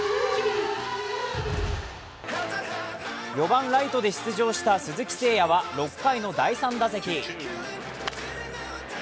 ４番・ライトで出場した鈴木誠也は６回の第３打席。